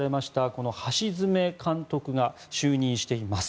この橋詰監督が就任しています。